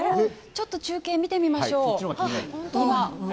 中継を見てみましょう。